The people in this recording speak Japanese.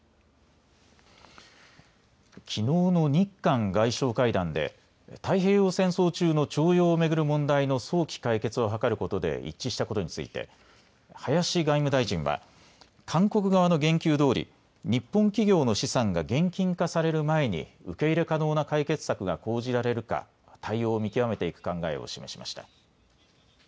きのうの日韓外相会談で太平洋戦争中の徴用を巡る問題の早期解決を図ることで一致したことについて林外務大臣は韓国側の言及どおり日本企業の資産が現金化される前に受け入れ可能な解決策が講じられるか対応を見極めていく考えを示しました。